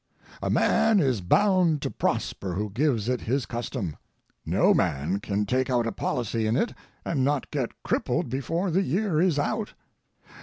A man is bound to prosper who gives it his custom. No man can take out a policy in it and not get crippled before the year is out.